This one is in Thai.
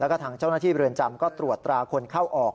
แล้วก็ทางเจ้าหน้าที่เรือนจำก็ตรวจตราคนเข้าออก